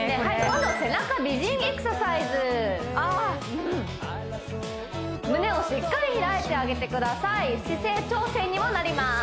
今度背中美人エクササイズ胸をしっかり開いてあげてください姿勢調整にもなります